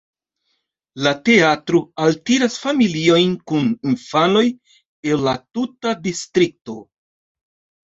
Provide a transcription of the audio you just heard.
La teatro altiras familiojn kun infanoj el la tuta distrikto.